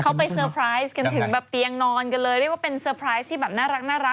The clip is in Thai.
เขาเขียนให้ไทยรัฐอยู่ไงทนายเจมส์เถอะ